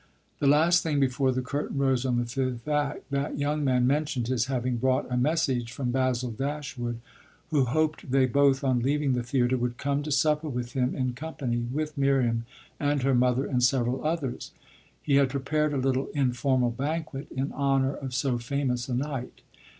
The last thing before the curtain rose on the fifth act that young man mentioned his having brought a message from Basil Dashwood, who hoped they both, on leaving the theatre, would come to supper with him in company with Miriam and her mother and several others: he had prepared a little informal banquet in honour of so famous a night.